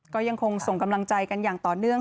ก็ยังคงส่งกำลังใจกันอย่างต่อเนื่อง